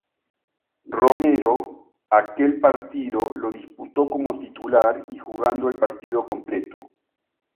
Romero aquel partido lo disputó como titular y jugando el partido completo.